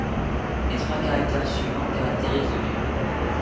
Les trois caractères suivants caractérisent le lieu.